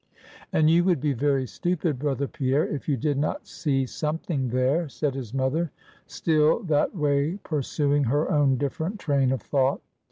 "And you would be very stupid, brother Pierre, if you did not see something there," said his mother, still that way pursuing her own different train of thought.